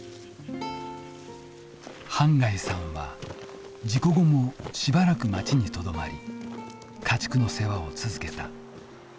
半谷さんは事故後もしばらく町にとどまり家畜の世話を続けた。